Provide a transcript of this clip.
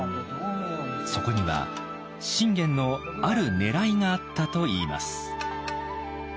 そこには信玄のあるねらいがあったといいます。